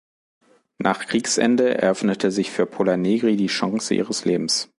Nach Kriegsende eröffnete sich für Pola Negri die Chance ihres Lebens.